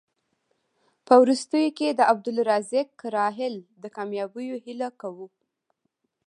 په وروستیو کې د عبدالرزاق راحل د کامیابیو هیله کوو.